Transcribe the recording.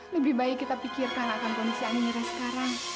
lebih baik kita pikirkan akan kondisi anginera sekarang